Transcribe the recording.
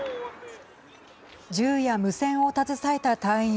銃や無線を携えた隊員